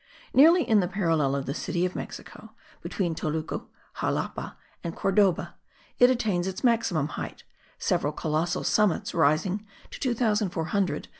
Nearly in the parallel of the city of Mexico, between Toluca, Xalapa and Cordoba, it attains its maximum height; several colossal summits rising to 2400 and 2770 toises.